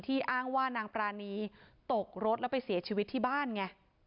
อ้างว่านางปรานีตกรถแล้วไปเสียชีวิตที่บ้านไง